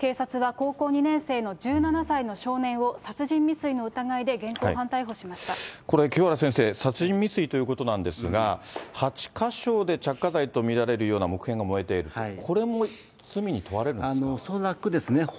警察は高校２年生の１７歳の少年を殺人未遂の疑いで現行犯逮捕しこれ、清原先生、殺人未遂ということなんですが、８か所で着火剤と見られるような木片が燃えている、これも罪に問われるんですか。